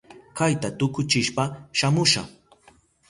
Kayta tukuchishpa shamusha.